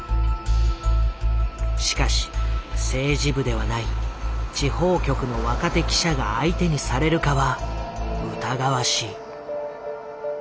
しかし政治部ではない地方局の若手記者が相手にされるかは疑わしい。